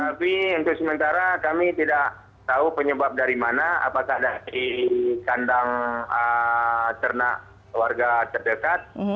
tapi untuk sementara kami tidak tahu penyebab dari mana apakah dari kandang ternak warga terdekat